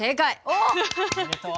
おめでとう。